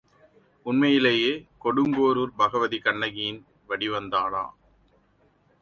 உண்மையிலேயே கொடுங்கோரூர் பகவதி கண்ணகியின் வடிவந்தானா?